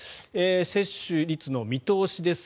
接種率の見通しです。